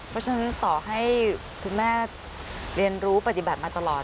เพราะฉะนั้นต่อให้คุณแม่เรียนรู้ปฏิบัติมาตลอด